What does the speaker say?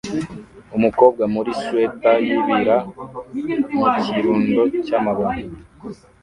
Umukobwa uri muri swater yibira mu kirundo cyamababi